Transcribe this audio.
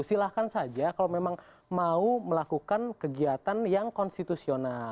silahkan saja kalau memang mau melakukan kegiatan yang konstitusional